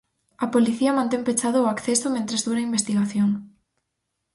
A policía mantén pechado o acceso mentres dura a investigación.